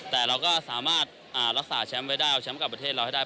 แต่เราก็สามารถรักษาแชมป์ไว้ได้แชมป์กับประเทศเราให้ได้